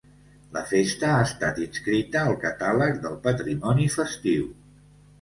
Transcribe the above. La festa ha estat inscrita al Catàleg del Patrimoni Festiu.